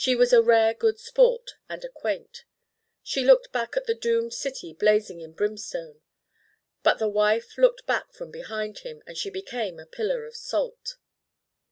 She was a rare good sport, and a quaint. She looked back at the doomed city blazing in brimstone 'But his wife looked back from behind him, and she became a pillar of salt.